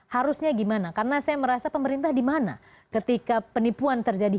harusnya gimana karena saya merasa pemerintah di mana ketika penipuan terjadi